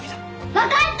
分かった！